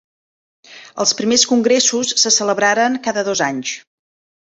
Els primers congressos se celebraren cada dos anys.